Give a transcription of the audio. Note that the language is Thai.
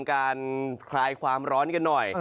คลายความร้อนกันหน่อย